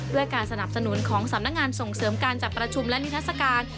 ด้วยการสนับสนุนของสำนักงานส่งเสริมการจัดประชุมและนิทัศกาล